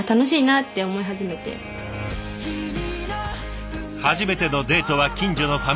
初めてのデートは近所のファミレスで。